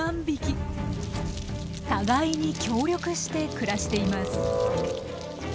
互いに協力して暮らしています。